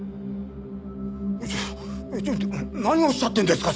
えっちょっと何をおっしゃってるんですか？